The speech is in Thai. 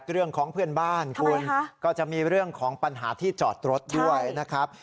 เรื่องของเพื่อนบ้านคุณก็จะมีเรื่องของปัญหาที่จอดรถด้วยนะครับ